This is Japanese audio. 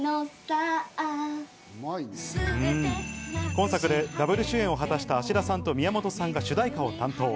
今作でダブル主演を果たした芦田さんと宮本さんが主題歌を担当。